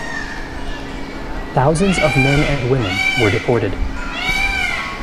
Thousands of men and women were deported.